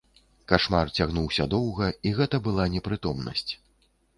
Кашмар цягнуўся доўга, і гэта была непрытомнасць.